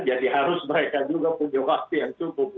jadi harus mereka juga punya waktu yang cukup